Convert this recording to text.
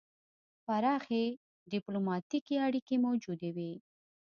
پراخې ډیپلوماتیکې اړیکې موجودې وې.